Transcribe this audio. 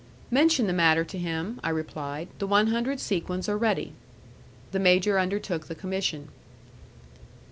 "Mention the matter to him," I replied, "the one hundred sequins are ready." The major undertook the commission.